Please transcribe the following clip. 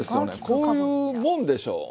こういうもんでしょう